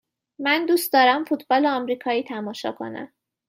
من دوست دارم فوتبال آمریکایی تماشا کنم.